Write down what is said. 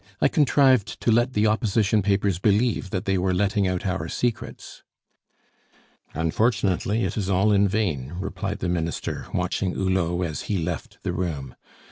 "I contrived to let the Opposition papers believe that they were letting out our secrets." "Unfortunately, it is all in vain," replied the Minister, watching Hulot as he left the room.